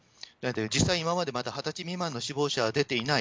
実際、今までまだ２０歳未満の死亡者は出ていない。